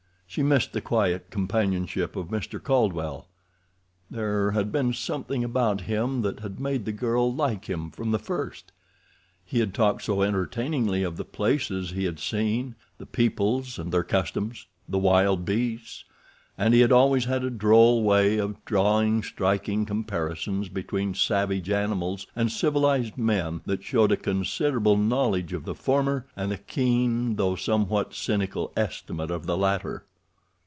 She missed the quiet companionship of Mr. Caldwell—there had been something about him that had made the girl like him from the first; he had talked so entertainingly of the places he had seen—the peoples and their customs—the wild beasts; and he had always had a droll way of drawing striking comparisons between savage animals and civilized men that showed a considerable knowledge of the former, and a keen, though somewhat cynical, estimate of the latter.